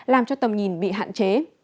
làm cho tầm nhìn bị hạn chế